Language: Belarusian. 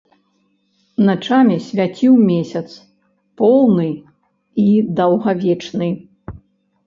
Начамі свяціў месяц, поўны і даўгавечны.